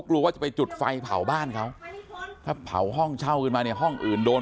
กลัวว่าจะไปจุดไฟเผาบ้านเขาถ้าเผาห้องเช่าขึ้นมาเนี่ยห้องอื่นโดน